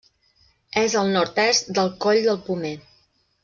És al nord-est del Coll del Pomer.